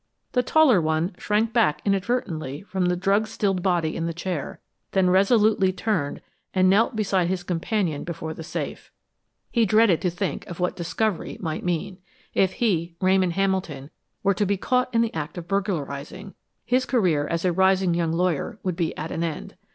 The taller one shrank back inadvertently from the drug stilled body in the chair, then resolutely turned and knelt beside his companion before the safe. He dreaded to think of what discovery might mean. If he, Ramon Hamilton, were to be caught in the act of burglarizing, his career as a rising young lawyer would be at an end.